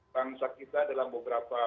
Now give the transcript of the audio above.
bangsa kita dalam beberapa